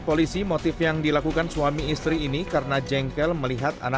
polisi motif yang dilakukan suami istri ini karena jengkel melihat anak